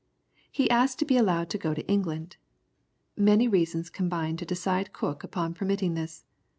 He asked to be allowed to go to England. Many reasons combined to decide Cook upon permitting this.